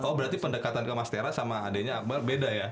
oh berarti pendekatan ke mas tera sama ade nya akbar beda ya